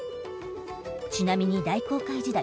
ちなみに大航海時代